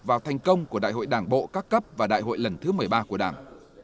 vào thành công của đại hội đảng bộ các cấp và đại hội lần thứ một mươi ba của đảng